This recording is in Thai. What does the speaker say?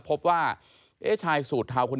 ไม่รู้ว่าใครชกต่อยกันอยู่แล้วอะนะคะ